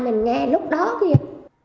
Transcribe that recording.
mình nghe lúc đó kìa